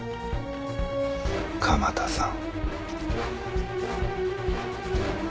鎌田さん。